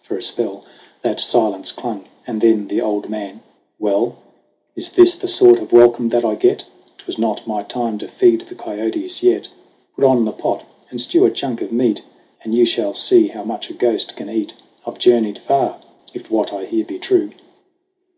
For a spell That silence clung ; and then the old man : "Well, Is this the sort of welcome that I get ? 'Twas not my time to feed the kiotes yet ! Put on the pot and stew a chunk of meat And you shall see how much a ghost can eat ! I've journeyed far if what I hear be true